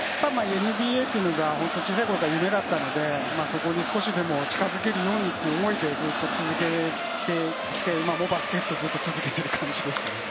ＮＢＡは小さい頃から夢だったので、そこに少しでも近づけるようにという思いで、ずっと続けてきて、今もバスケットをずっと続けている感じです。